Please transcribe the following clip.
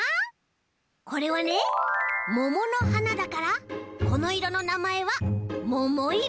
これはねもものはなだからこのいろのなまえはももいろ。